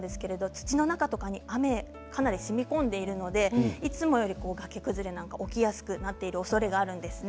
土の中は雨がしみこんでいるのでいつもより崖崩れが起きやすくなっているおそれがあります。